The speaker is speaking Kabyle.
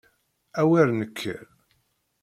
A wer nekker!